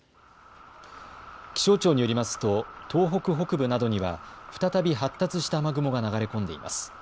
気象庁によりますと東北北部などには再び発達した雨雲が流れ込んでいます。